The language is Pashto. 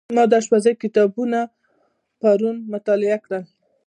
ما شپږ کتابونه پرون مطالعه کړل.